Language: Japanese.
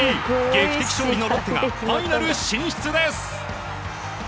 劇的勝利のロッテがファイナル進出です。